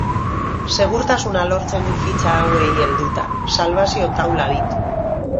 Segurtasuna lortzen du fitxa hauei helduta, salbazio taula ditu.